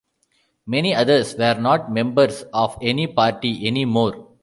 Many others were not members of any party any more.